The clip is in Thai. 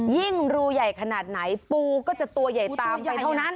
รูใหญ่ขนาดไหนปูก็จะตัวใหญ่ตามไปเท่านั้น